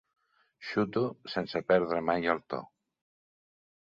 Xuto sense perdre mai el to.